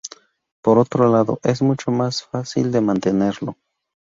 Por otro lado, es mucho más fácil de mantenerlo.